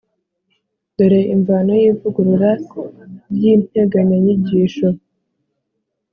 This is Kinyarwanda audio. dore imvano y’ivugurura ry’integanyanyigisho..